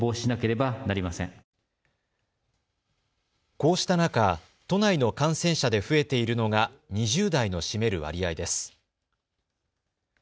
こうした中、都内の感染者で増えているのが２０代の占める割合です。